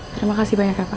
terima kasih banyak ya pak